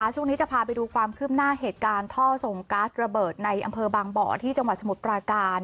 ช่วงนี้จะพาไปดูความคืบหน้าเหตุการณ์ท่อส่งก๊าซระเบิดในอำเภอบางบ่อที่จังหวัดสมุทรปราการ